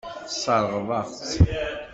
Tesseṛɣeḍ-aɣ-tt.